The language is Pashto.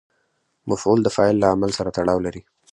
مفعول د فاعل له عمل سره تړاو لري.